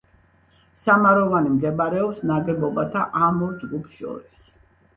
სამაროვანი მდებარეობს ნაგებობათა ამ ორ ჯგუფს შორის.